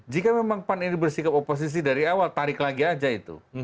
jika memang pan ini bersikap oposisi dari awal tarik lagi aja itu